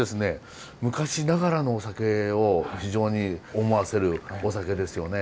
昔ながらのお酒を非常に思わせるお酒ですよね。